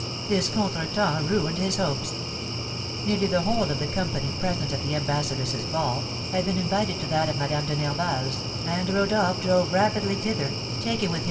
This contretemps ruined his hopes. Nearly the whole of the company present at the ambassadress's ball had been invited to that of Madame de Nerval's, and Rodolph drove rapidly thither, taking with him M.